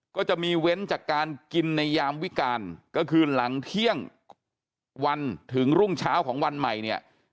ก็จะมีเว้นจากการกินในยามวิการก็คือหลังเที่ยงวันถึงรุ่งเช้าของวันใหม่เนี่ย